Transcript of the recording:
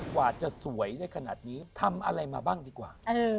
กว่าจะสวยได้ขนาดนี้ทำอะไรมาบ้างดีกว่า